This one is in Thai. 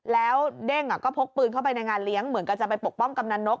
แล้วเด้งก็พกปืนเข้าไปในงานเลี้ยงเหมือนกับจะไปปกป้องกำนันนก